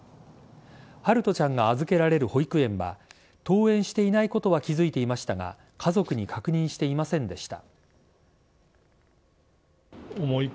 陽翔ちゃんが預けられる保育園は登園していないことは気付いていましたが家族に確認していませんでした。